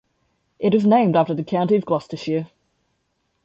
It is named after the county of Gloucestershire.